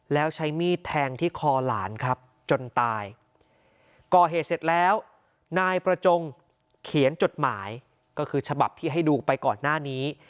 แล้วใช้มีดแทงที่คอหลานครับจนตายก่อเหตุเสร็จแล้วนายประจงเขียนจดหมายก็คือฉบับที่ให้ดูไปก่อนหน้านี้